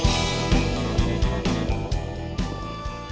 bagaimana kamu menguatkan visi dan misi bang edi